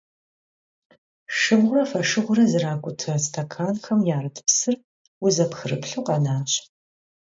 Şşığure foşşığure zrak'uta stekanxem yarıt psır vuzepxrıplhu khenaş.